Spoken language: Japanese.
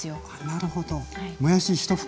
なるほど。